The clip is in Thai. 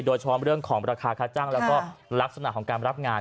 โดยเฉพาะเรื่องของราคาค่าจ้างแล้วก็ลักษณะของการรับงาน